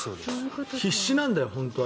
必死なんだよ、本当は。